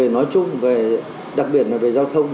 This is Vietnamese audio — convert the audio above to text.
nói chung đặc biệt là về giao thông